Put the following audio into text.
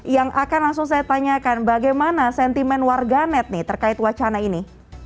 yang akan langsung saya tanyakan bagaimana sentimen warganet nih terkait wacana ini